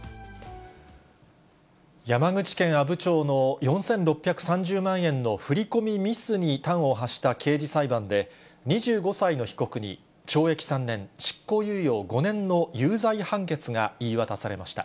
山口県阿武町の４６３０万円の振り込みミスに端を発した刑事裁判で、２５歳の被告に、懲役３年、執行猶予５年の有罪判決が言い渡されました。